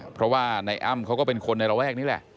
เพราะว่านายอ้ำเขาก็เป็นคนในระแวกนี้แหละ